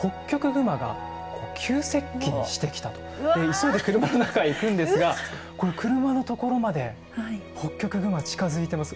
急いで車の中へ行くんですがこれ車の所までホッキョクグマ近づいてます。